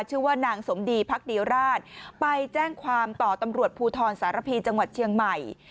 ชื่อว่านางสมดีพักดีราชไปแจ้งความต่อตำรวจภูทรสารพีจังหวัดเชียงใหม่